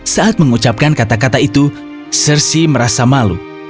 saat mengucapkan kata kata itu sersi merasa malu